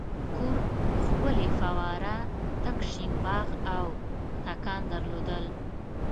کور ښکلې فواره تک شین باغ او تاکان درلودل.